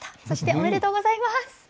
そしておめでとうございます！